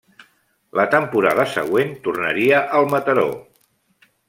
La temporada següent tornaria al Mataró.